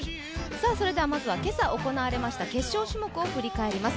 それではまずは今朝行われました決勝種目を振り返ります。